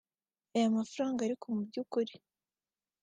Aya mafaranga ariko mu by’ukuri